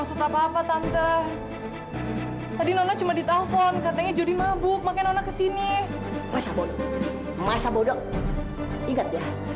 sampai jumpa di video selanjutnya